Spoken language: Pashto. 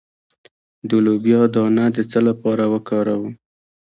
د لوبیا دانه د څه لپاره وکاروم؟